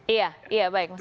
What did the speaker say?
iya iya baik